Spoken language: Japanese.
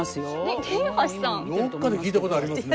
どっかで聞いたことありますね。